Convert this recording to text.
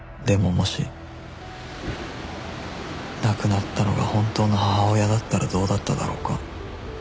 もし亡くなったのが本当の母親だったらどうだっただろうか？